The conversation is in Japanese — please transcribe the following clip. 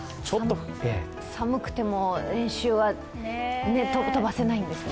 寒くても練習は飛ばせないんですね。